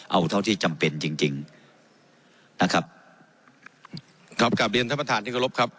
เอาเท่าที่จำเป็นจริงจริงนะครับครับกลับเรียนท่านประธานที่เคารพครับ